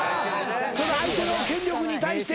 相手の権力に対して。